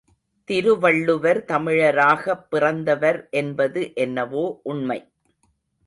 திருவள்ளுவர் தமிழராகப் பிறந்தவர் என்பது என்னவோ உண்மை.